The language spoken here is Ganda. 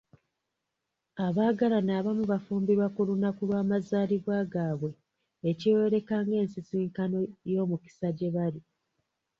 Abaagalana abamu bafumbirwa ku lunaku lw'amazaalibwa gaabwe ekyeyoleka ng'ensisinkano y'omukisa gye bali.